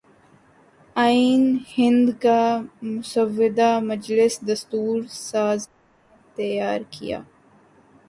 آئین ہند کا مسودہ مجلس دستور ساز نے تیار کیا